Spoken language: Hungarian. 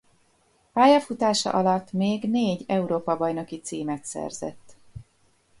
Pályafutása alatt még négy Európa-bajnoki címet szerzett.